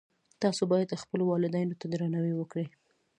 تاسو باید خپلو والدینو ته درناوی وکړئ